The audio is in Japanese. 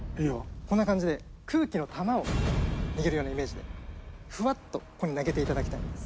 こんな感じで空気の球を握るようなイメージでフワッとここに投げていただきたいんです。